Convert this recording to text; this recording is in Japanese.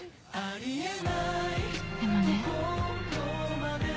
でもね。